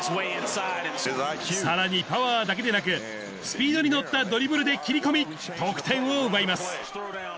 さらにパワーだけでなく、スピードに乗ったドリブルで切り込み、得点を奪います。